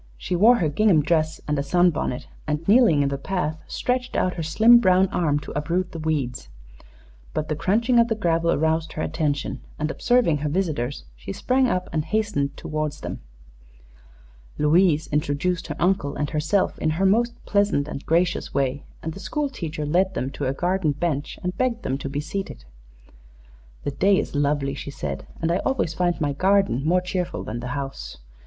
She wore her gingham dress and a sunbonnet, and, kneeling in the path, stretched out her slim brown arm to uproot the weeds. But the crunching of the gravel aroused her attention, and, observing her visitors, she sprang up and hastened toward them. Louise introduced her uncle and herself in her most pleasant and gracious way, and the school teacher led them to a garden bench and begged them to be seated. "The day is lovely," she said, "and I always find my garden more cheerful than the house.